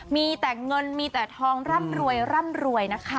มีแต่เงินมีแต่ทองร่ำรวยร่ำรวยนะคะ